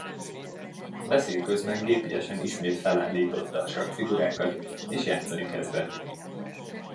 Beszéd közben gépiesen ismét felállította a sakkfigurákat, és játszani kezdett.